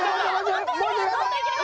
もっといける！